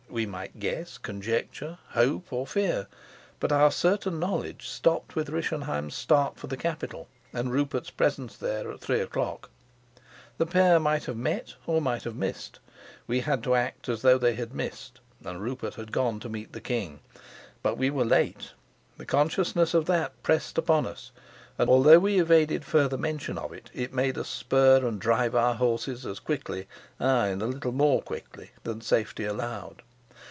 We might guess, conjecture, hope, or fear; but our certain knowledge stopped with Rischenheim's start for the capital and Rupert's presence there at three o'clock. The pair might have met or might have missed. We had to act as though they had missed and Rupert were gone to meet the king. But we were late. The consciousness of that pressed upon us, although we evaded further mention of it; it made us spur and drive our horses as quickly, ay, and a little more quickly, than safety allowed.